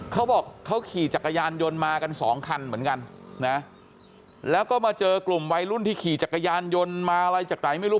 เขาบอกเขาขี่จักรยานยนต์มากันสองคันเหมือนกันนะแล้วก็มาเจอกลุ่มวัยรุ่นที่ขี่จักรยานยนต์มาอะไรจากไหนไม่รู้